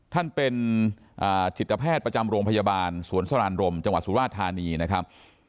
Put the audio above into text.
ท่านเป็นจิตแพทย์ประจำโรงพยาบาลสวนสรานรมจังหวัดสุราธานีนะครับ